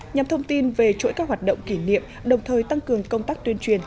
nhằm thông tin về chuỗi các hoạt động kỷ niệm đồng thời tăng cường công tác tuyên truyền